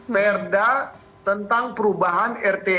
perda tentang perubahan